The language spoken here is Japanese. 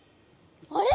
あれ？